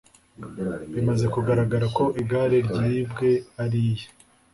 Bimaze kugaragara ko igare ryibwe ari iye